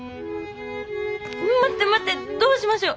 待って待ってどうしましょう！